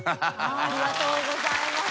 ありがとうございます。